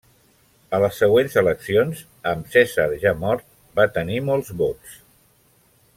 A les següents eleccions, amb Cèsar ja mort, va tenir molts vots.